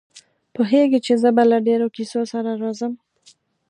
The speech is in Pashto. پوهېږي چې زه به له ډېرو کیسو سره راځم.